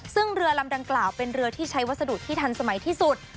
ซึ่งเรือลำดังกล่าวเป็นเรือที่ใช้วัสดุที่ทันสมัยที่สุด